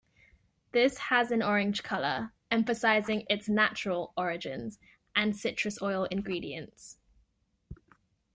This has an orange colour, emphasising its "natural" origins and citrus oil ingredients.